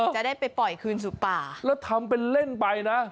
จะได้ไปปล่อยคืนสู่ป่าแล้วทำเป็นเล่นไปนะ